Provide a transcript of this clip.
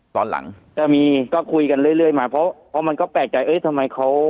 ตอนหลังก็มีก็คุยกันเรื่อยมาเพราะมันก็แปลกใจเอ้ยทำไมเขา